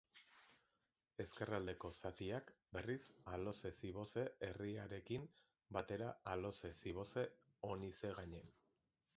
Ezkerraldeko zatiak, berriz, Aloze-Ziboze herriarekin batera Aloze-Ziboze-Onizegaine.